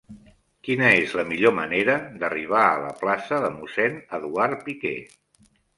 Quina és la millor manera d'arribar a la plaça de Mossèn Eduard Piquer?